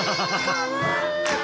かわいい！